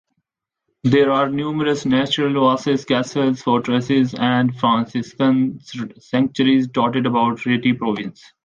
There are numerous natural oases, castles, fortresses and Franciscan sanctuaries dotted about Rieti Province.